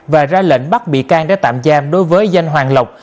và ra lệnh bắt bị can để tạm giam đối với danh hoàng lộc